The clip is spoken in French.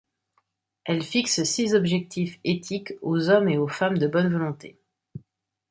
Elle fixe six objectifs éthiques aux hommes et aux femmes de bonne volonté.